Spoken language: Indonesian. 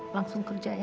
langsung kerja ya